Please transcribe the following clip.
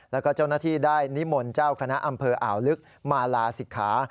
แล้วก็เจ้าหน้าที่ได้นิมนต์เจ้าคณะอำเภออ่าวลึกมาลาศิกขา